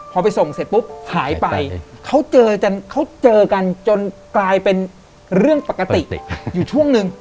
พอไปส่งเสร็จปุ๊บหายไปเขาเจอกันเขาเจอกันจนกลายเป็นเรื่องปกติอยู่ช่วงนึง